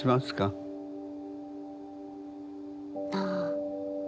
ああ。